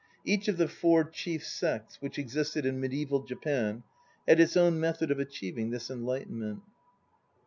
Each of the four chief sects which existed in medieval Japan had its own method of achieving this Enlightenment.